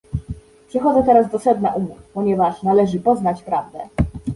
Przechodzę teraz do sedna umów, ponieważ należy poznać prawdę